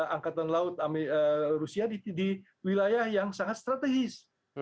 angkatan laut rusia di wilayah yang sangat strategis